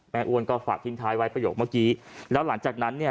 อ้วนก็ฝากทิ้งท้ายไว้ประโยคเมื่อกี้แล้วหลังจากนั้นเนี่ย